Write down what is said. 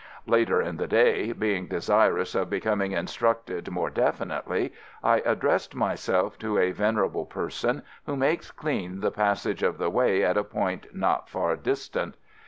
Later in the day, being desirous of becoming instructed more definitely, I addressed myself to a venerable person who makes clean the passage of the way at a point not far distant.